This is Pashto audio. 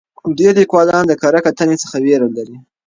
ډېر لیکوالان د کره کتنې څخه ویره لري.